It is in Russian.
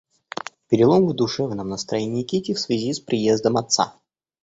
Перелом в душевном настроении Кити в связи с приездом отца.